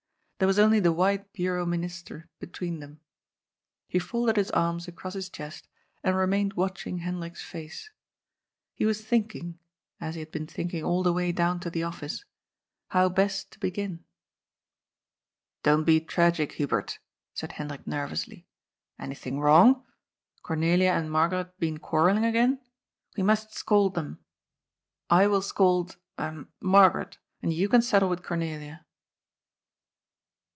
There was only the wide bureau ministre between them. He folded his arms across his chest and remained watching Hendrik's face. He was thinking — ^as he had been thinking all the way down to the Office — how best to begin. "Don't be tragic, Hubert," said Hendrik nervously. " Anything wrong ? Cornelia and Margaret been quarrel ling again ? We must scold them. I will scold — ahem — Margaret. And you can settle with Cornelia."